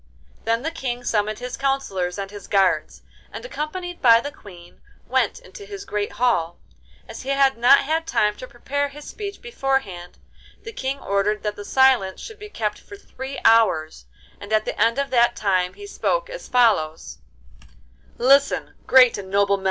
Then the King summoned his counsellors and his guards, and, accompanied by the Queen, went into his great hall. As he had not had time to prepare his speech beforehand, the King ordered that silence should be kept for three hours, and at the end of that time he spoke as follows: 'Listen, great and small!